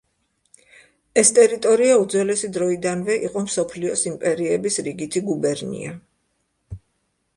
ეს ტერიტორია უძველესი დროიდანვე იყო მსოფლიოს იმპერიების რიგითი გუბერნია.